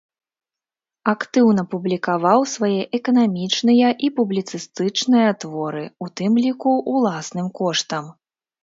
Актыўна публікаваў свае эканамічныя і публіцыстычныя творы, у тым ліку ўласным коштам.